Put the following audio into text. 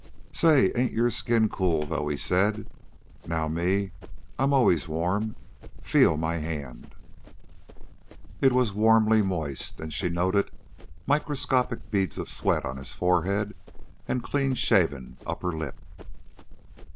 "Say, ain't your skin cool though," he said. "Now me, I'm always warm. Feel my hand." It was warmly moist, and she noted microscopic beads of sweat on his forehead and clean shaven upper lip.